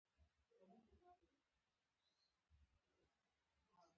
چې د عمران خان د ډلې نه نیولې تر بلوڅو